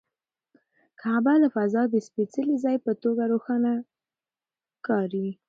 کعبه له فضا د سپېڅلي ځای په توګه روښانه ښکاري.